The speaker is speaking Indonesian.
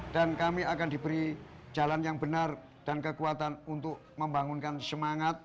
dan kami akan diberi jalan yang benar dan kekuatan untuk membangunkan semangat